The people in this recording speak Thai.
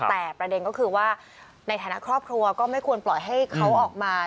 แต่ประเด็นก็คือว่าในฐานะครอบครัวก็ไม่ควรปล่อยให้เขาออกมา